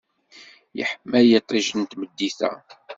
Yeḥma yiṭij n tmeddit-a.